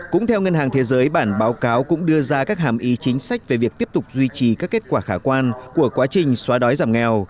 cũng theo ngân hàng thế giới bản báo cáo cũng đưa ra các hàm ý chính sách về việc tiếp tục duy trì các kết quả khả quan của quá trình xóa đói giảm nghèo